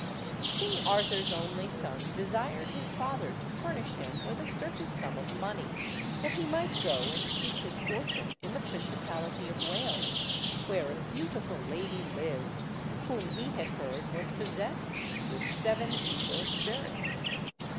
King Arthur's only son desired his father to furnish him with a certain sum of money, that he might go and seek his fortune in the principality of Wales, where a beautiful lady lived, whom he had heard was possessed with seven evil spirits.